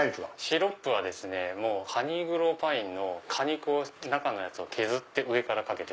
シロップはハニーグローパインの果肉を削って上からかけてます。